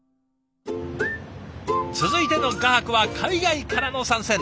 続いての画伯は海外からの参戦。